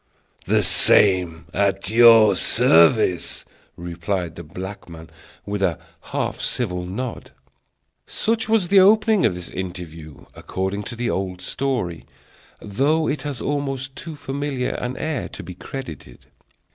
"The same, at your service!" replied the black man, with a half civil nod. Such was the opening of this interview, according to the old story; though it has almost too familiar an air to be credited.